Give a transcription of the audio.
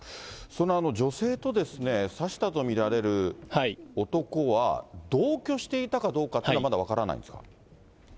その女性と刺したと見られる男は、同居していたかどうかっていうのはまだ分からないんですか。